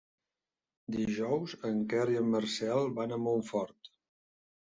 Dijous en Quer i en Marcel van a Montfort.